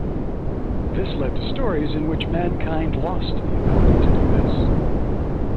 This led to stories in which mankind lost the ability to do this.